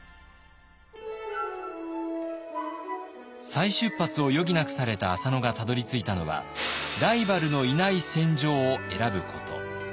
再出発を余儀なくされた浅野がたどりついたのはライバルのいない戦場を選ぶこと。